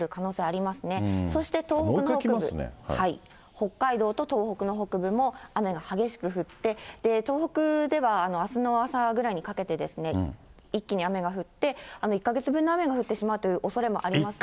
北海道と東北の北部も雨が激しく降って、東北ではあすの朝ぐらいにかけて一気に雨が降って、１か月分の雨が降ってしまうというおそれもありますので。